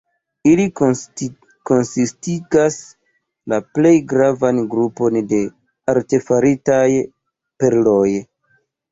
Ili konsistigas la plej gravan grupon de artefaritaj perloj.